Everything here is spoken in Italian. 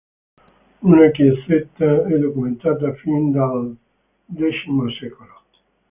Una chiesetta è documentata fin dal X secolo.